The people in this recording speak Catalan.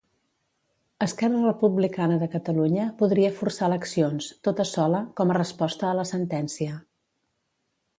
Esquerra Republicana de Catalunya podria forçar eleccions, tota sola, com a resposta a la sentència.